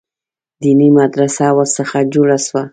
دیني مدرسه ورڅخه جوړه سوه.